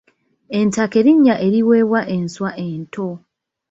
Entakke linnya eriweebwa enswa ento.